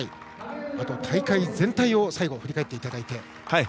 あと、大会全体を最後、振り返っていただいて。